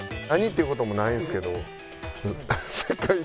何っていうこともないんすけど。